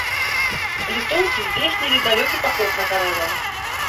Літоўцы здзейснілі далёкі паход на карэлаў.